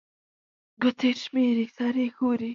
ګوتي شمېري، سر يې ښوري